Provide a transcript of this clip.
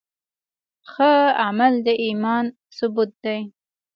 ښه عمل د ایمان ثبوت دی.